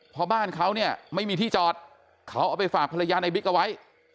เพราะบ้านเขาเนี่ยไม่มีที่จอดเขาเอาไปฝากภรรยาในบิ๊กเอาไว้